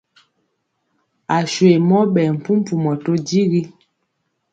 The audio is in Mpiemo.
Aswe mɔ ɓɛɛ mpumpumɔ to digi.